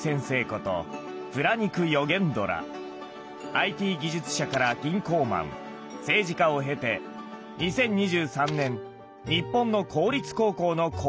ＩＴ技術者から銀行マン政治家を経て２０２３年日本の公立高校の校長になりました。